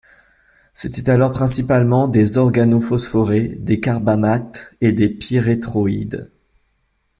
C’étaient alors principalement des organophosphorés, des carbamates et des pyréthroïdes.